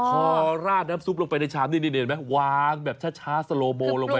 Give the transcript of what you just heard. พอราดน้ำซุปลงไปในชามนี่เห็นไหมวางแบบช้าสโลโบลงไป